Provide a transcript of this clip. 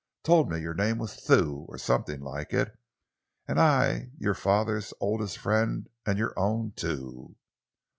Told me your name was Thew, or something like it, and I your father's oldest friend, and your own, too!"